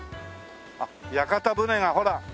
あっ屋形船がほら。